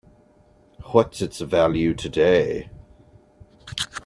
What's its value today?